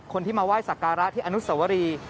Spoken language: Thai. คนที่มาไหว้สักการะที่อนุสวรี